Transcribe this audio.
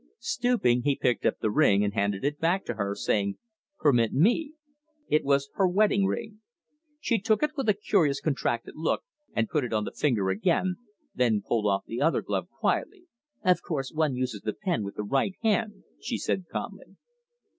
Stooping, he picked up the ring, and handed it back to her, saying: "Permit me." It was her wedding ring. She took it with a curious contracted look and put it on the finger again, then pulled off the other glove quietly. "Of course one uses the pen with the right hand," she said calmly.